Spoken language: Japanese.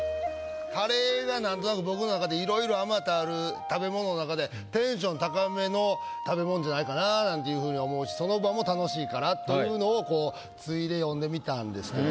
カレーがなんとなく僕の中で色々あまたある食べ物の中でテンション高めの食べ物じゃないかななんていうふうに思うしその場も楽しいからというのをこう対で詠んでみたんですけど。